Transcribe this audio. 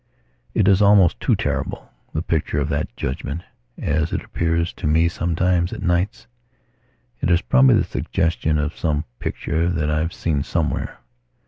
It is almost too terrible, the picture of that judgement, as it appears to me sometimes, at nights. It is probably the suggestion of some picture that I have seen somewhere.